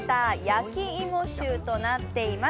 焼き芋シューとなっています。